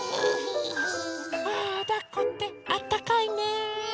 ああだっこってあったかいね。ね。